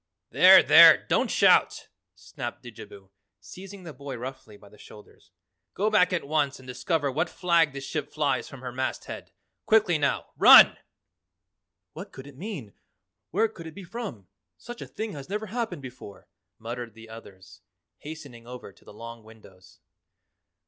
"There, there, don't shout!" snapped Didjabo, seizing the boy roughly by the shoulders. "Go back at once and discover what flag this ship flies from her masthead. Quickly now. RUN!" "What could it mean? Where could it be from? Such a thing has never happened before!" muttered the others, hastening over to the long windows.